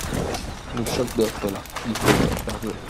Le choc d’offre est là ; il faut le faire perdurer.